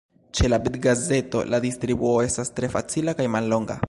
Ĉe la bitgazeto la distribuo estas tre facila kaj mallonga.